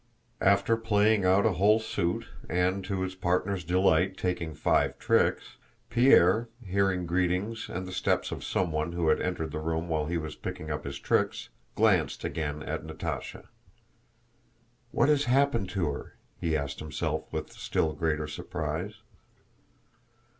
After playing out a whole suit and to his partner's delight taking five tricks, Pierre, hearing greetings and the steps of someone who had entered the room while he was picking up his tricks, glanced again at Natásha. "What has happened to her?" he asked himself with still greater surprise.